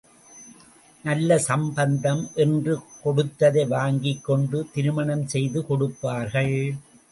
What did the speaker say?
நல்ல சம்பந்தம் என்று கொடுத்ததை வாங்கிக் கொண்டு திருமணம் செய்து கொடுப்பார்கள்.